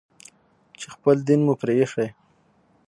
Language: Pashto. چې خپل دين مو پرې ايښى.